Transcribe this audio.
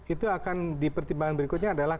itu akan dipertimbangkan berikutnya adalah